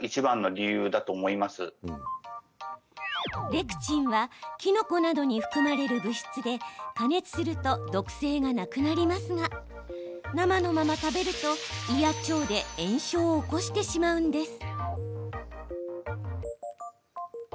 レクチンはキノコなどに含まれる物質で加熱すると毒性がなくなりますが生のまま食べると、胃や腸で炎症を起こしてしまうんです。